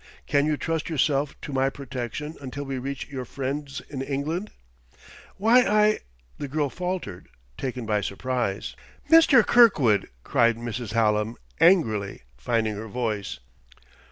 Can you trust yourself to my protection until we reach your friends in England?" "Why, I " the girl faltered, taken by surprise. "Mr. Kirkwood!" cried Mrs. Hallam angrily, finding her voice.